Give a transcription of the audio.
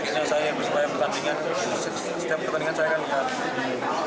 kira kira saya yang persebaya pertandingan setiap pertandingan saya kan lihat